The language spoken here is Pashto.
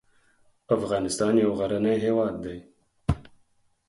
افغانستان یو غرنی هیواد دی